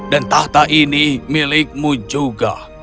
dan tahta ini milikmu juga